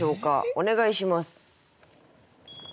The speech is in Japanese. お願いします。